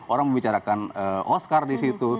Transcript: orang membicarakan oscar di situ